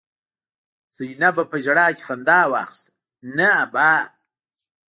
زينبه په ژړا کې خندا واخيسته: نه ابا!